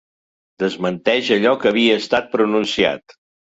Desmenteix allò que havia estat pronunciat.